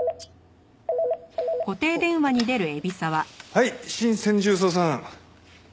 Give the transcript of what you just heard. はい新専従捜査班。